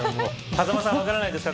風間さん、分からないですか